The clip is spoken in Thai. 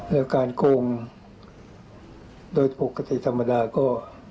แล้วการโกงโดยปกติธรรมดาก็